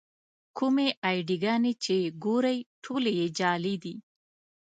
کومې اې ډي ګانې چې ګورئ ټولې یې جعلي دي.